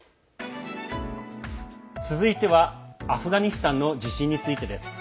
続いてはアフガニスタンの地震についてです。